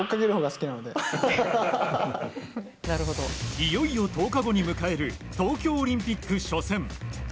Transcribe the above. いよいよ１０日後に迎える東京オリンピック初戦。